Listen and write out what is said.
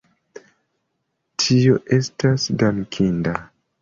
Tio estas dankinda.